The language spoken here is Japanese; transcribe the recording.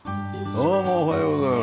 どうもおはようございます。